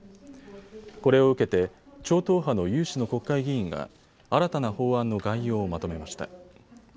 これを受けて超党派の有志の国会議員が新たな法案の概要をまとめました。